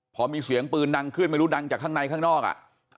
พอมีเสียงปืนดังขึ้นไม่รู้ดังจากข้างในข้างนอกอ่ะ